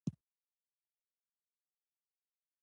که علم په پښتو وي، نو د پوهې مینه تل موجوده ده.